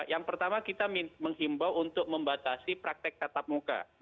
yang pertama kita menghimbau untuk membatasi praktek tatap muka